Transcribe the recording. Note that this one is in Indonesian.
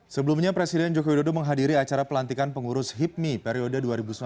sebelumnya presiden joko widodo menghadiri acara pelantikan pengurus hipmi periode dua ribu sembilan belas dua ribu dua puluh